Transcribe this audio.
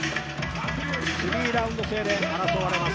スリーラウンド制で争われます